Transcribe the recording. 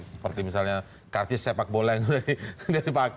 seperti misalnya kartis sepak bola yang sudah dipakai